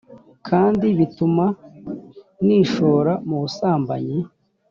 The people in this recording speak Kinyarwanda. kandi bituma nishora mu busambanyi